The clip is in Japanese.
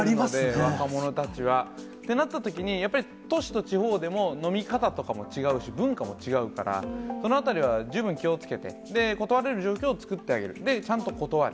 若者たちは。ってなったときに、やっぱり都市と地方でも、飲み方とかも違うし、文化も違うから、そのあたりは十分気をつけて、断れる状況を作ってあげる、ちゃんと断る。